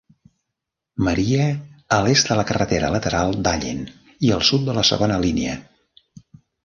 Maria a l'est de la carretera lateral d'Allen i al sud de la Segona Línia.